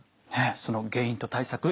その原因と対策